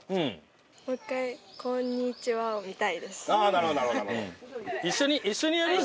なるほどなるほど。